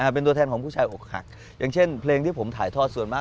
เป็นตัวแทนของผู้ชายอกหักอย่างเช่นเพลงที่ผมถ่ายทอดส่วนมาก